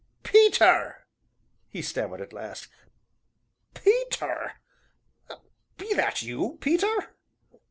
"Peter!" he stammered at last. "Peter be that you, Peter?"